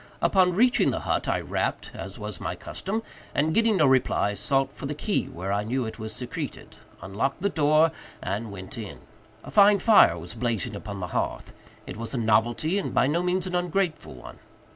Upon reaching the hut I rapped, as was my custom, and getting no reply, sought for the key where I knew it was secreted, unlocked the door and went in. A fine fire was blazing upon the hearth. It was a novelty, and by no means an ungrateful one.